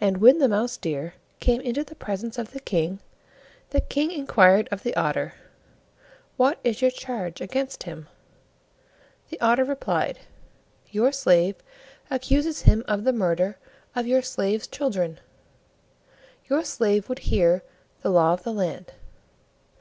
And when the Mouse deer came into the presence of the King, the King inquired of the Otter, "What is your charge against him?" The Otter replied, "Your slave accuses him of the murder of your slave's children; your slave would hear the Law of the Land."